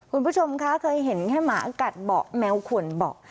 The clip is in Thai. คุณผู้ชมคะเคยเห็นแค่หมากัดเบาะแมวขวนเบาะ